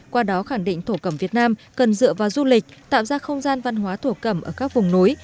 qua đó khẳng định thổ cẩm việt nam cần dựa vào du lịch tạo ra không gian văn hóa thổ cẩm ở các vùng núi